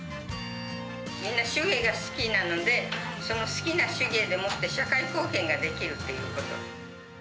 みんな手芸が好きなので、その好きな手芸でもって社会貢献ができるっていうこと。